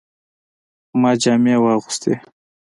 ما جامې واغستې